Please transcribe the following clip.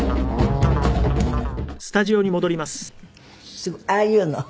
すごい。ああいうの？